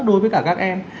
với cả các em